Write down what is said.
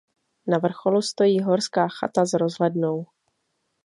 Na vrcholu stojí horská chata s rozhlednou.